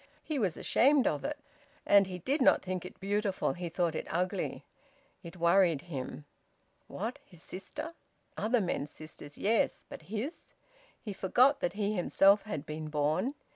He was ashamed of it. And he did not think it beautiful; he thought it ugly. It worried him. What, his sister? Other men's sisters, yes; but his! He forgot that he himself had been born.